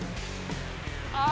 あ。